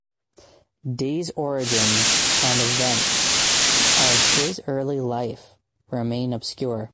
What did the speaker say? Day's origins and the events of his early life remain obscure.